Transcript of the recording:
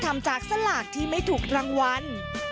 ทำจากสลากที่ไม่ถูกรางวัล